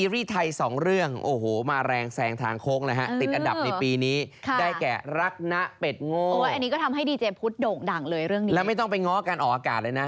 แล้วไม่ต้องมางอกกันออกอากาศเลยนะ